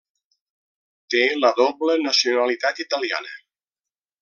Té la doble nacionalitat italiana.